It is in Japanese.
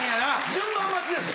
順番待ちです！